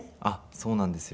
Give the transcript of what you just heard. そうなんですよ。